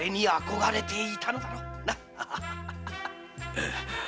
ええ。